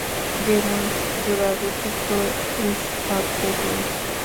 যেমন জুড়াবে পুত্র ইসহাককে পেয়ে।